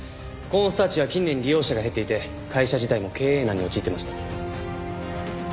コーンスターチは近年利用者が減っていて会社自体も経営難に陥ってました。